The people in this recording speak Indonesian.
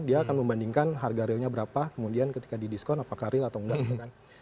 dia akan membandingkan harga realnya berapa kemudian ketika didiskon apakah real atau tidak